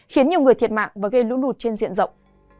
khiến nhiều người thiệt mạng và gây lũ lụt trên diện rộng